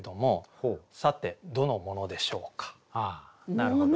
なるほど。